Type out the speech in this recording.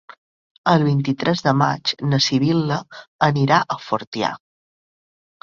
El vint-i-tres de maig na Sibil·la anirà a Fortià.